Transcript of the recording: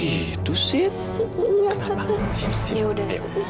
tadi rara mau cerita sama aya